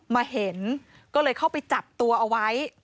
มาเห็นก็เลยเข้าไปจับตัวเอาไว้